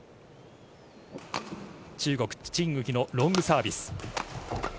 中国、チン・ウヒのロングサービス。